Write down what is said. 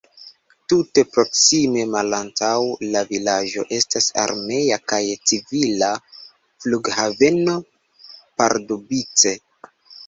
Tute proksime malantaŭ la vilaĝo estas armea kaj civila flughaveno Pardubice.